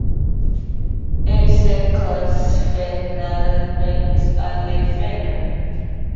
Il se classe finalement à la finale.